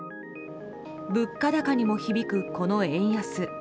物価高にも響く、この円安。